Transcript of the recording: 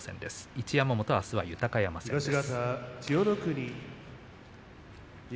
一山本は豊山戦です。